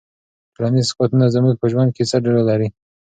ټولنیز قوتونه زموږ په ژوند کې څه رول لري؟